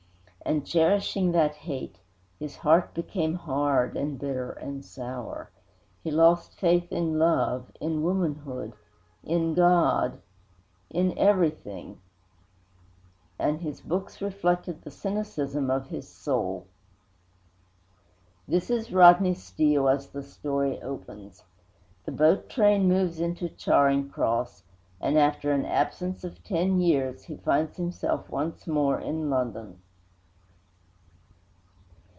And, cherishing that hate, his heart became hard and bitter and sour. He lost faith in love, in womanhood, in God, in everything. And his books reflected the cynicism of his soul. This is Rodney Steele as the story opens. The boat train moves into Charing Cross, and, after an absence of ten years, he finds himself once more in London.